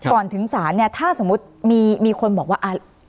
ก่อนถึงศาลเนี่ยถ้าสมมุติมีคนบอกว่า